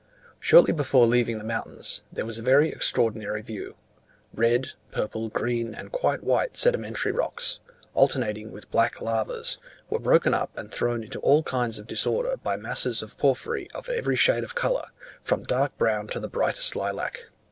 Shortly before leaving the mountains, there was a very extraordinary view; red, purple, green, and quite white sedimentary rocks, alternating with black lavas, were broken up and thrown into all kinds of disorder by masses of porphyry of every shade of colour, from dark brown to the brightest lilac.